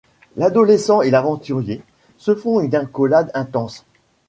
L'adolescent et l'aventurier se font une accolade intense.